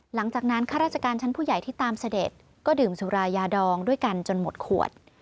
ข้าราชการชั้นผู้ใหญ่ที่ตามเสด็จก็ดื่มสุรายาดองด้วยกันจนหมดขวด